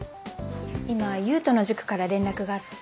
今勇人の塾から連絡があって。